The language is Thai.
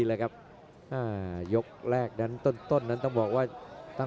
เลยครับอ่ายกแรกนั้นต้นต้นนั้นต้องบอกว่าตั้ง